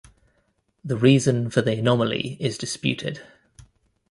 The reason for the anomaly is disputed.